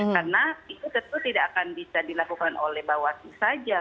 karena itu tentu tidak akan bisa dilakukan oleh bawah saja